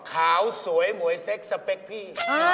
ขาวสวยเหมอนสัสสเปคพี่